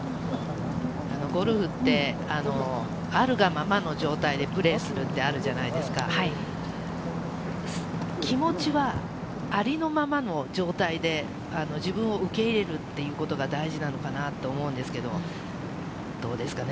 ゴルフってあるがままの状態でプレーするってあるじゃないですか、気持ちはありのままの状態で自分を受け入れるっていうことが大事なのかなって思うんですけど、どうですかね？